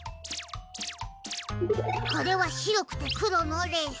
これはしろくてくろのレース。